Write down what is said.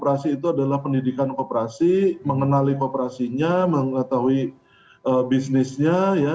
kooperasi itu adalah pendidikan kooperasi mengenali kooperasinya mengetahui bisnisnya ya